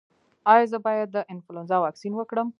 ایا زه باید د انفلونزا واکسین وکړم؟